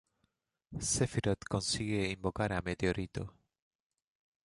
Sefirot consigue invocar a Meteorito.